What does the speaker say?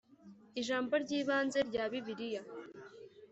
Ijambo ry ibanze rya Bibiliya